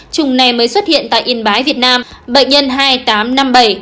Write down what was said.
trùng này mới xuất hiện tại yên bái việt nam bệnh nhân hai nghìn tám trăm năm mươi bảy